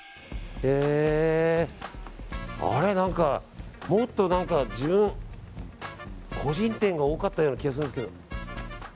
あれ、何かもっと個人店が多かったような気がするんですけど。